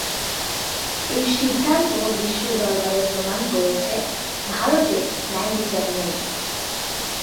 এই সিদ্ধান্ত বিশ্ব দরবারে প্রমাণ করেছে, ভারতে ন্যায়বিচার নেই।